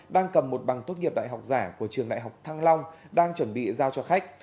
đang cầm một bằng tốt nghiệp đại học giả của trường đại học thăng long đang chuẩn bị giao cho khách